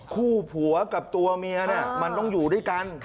ผัวกับตัวเมียมันต้องอยู่ด้วยกัน